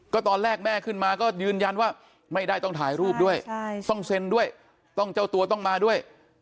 ก็ตอนแรกแม่ขึ้นมาก็ยืนยันว่าไม่ได้ต้องถ่ายรูปด้วยต้องเซ็นด้วยต้องเจ้าตัวต้องมาด้วย